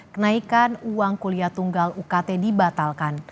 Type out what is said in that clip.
kenaikan uang kuliah tunggal ukt dibatalkan